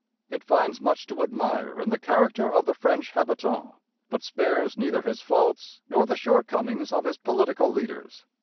It finds much to admire in the character of the French habitant, but spares neither his faults nor the shortcomings of his political leaders.